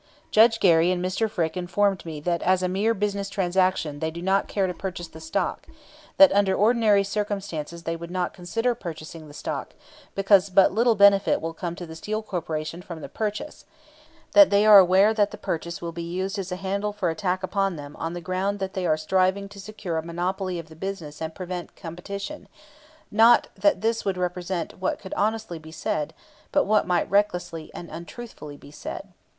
Judge Gary and Mr. Frick informed me that as a mere business transaction they do not care to purchase the stock; that under ordinary circumstances they would not consider purchasing the stock, because but little benefit will come to the Steel Corporation from the purchase; that they are aware that the purchase will be used as a handle for attack upon them on the ground that they are striving to secure a monopoly of the business and prevent competition not that this would represent what could honestly be said, but what might recklessly and untruthfully be said.